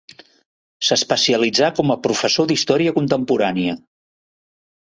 S'especialitzà com a professor d'història contemporània.